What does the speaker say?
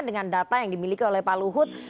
dengan data yang dimiliki oleh pak luhut